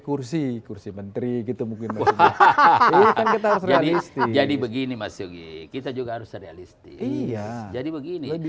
kursi kursi menteri gitu mungkin jadi jadi begini mas yogi kita juga harus realistis jadi begini